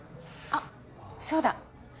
あそうだ。